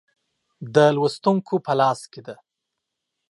د لوستونکو په لاس کې ده.